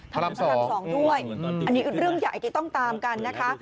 พระราม๒ด้วยอันนี้เรื่องใหญ่ที่ต้องตามกันนะคะ